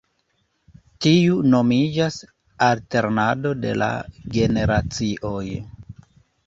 Tiu nomiĝas alternado de la generacioj.